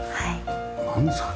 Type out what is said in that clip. なんですかね？